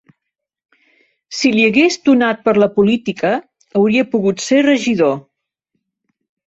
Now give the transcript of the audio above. Si li hagués donat per la política, hauria pogut ser regidor